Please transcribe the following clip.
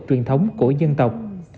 truyền thống của dân tộc